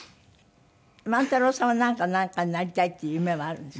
万太郎さんはなんかになりたいっていう夢はあるんです？